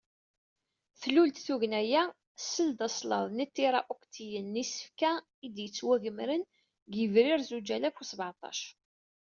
Tlul-d tugna-a, seld aslaḍ n yiṭira-ukṭiyen n yisefka i d-yettwagemren deg yebrir zuǧ alaf u sbeεṭac.